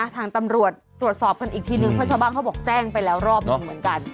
ทางตำรวจตรวจสอบกันอีกทีนึงเพราะชาวบ้านเขาบอกแจ้งไปแล้วรอบหนึ่งเหมือนกัน